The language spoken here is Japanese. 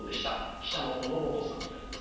記者の斧本さんがいます。